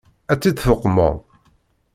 Ad tt-id-tuqmeḍ?